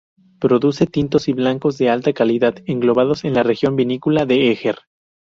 Produce tintos y blancos de alta calidad, englobados en la región vinícola de Eger.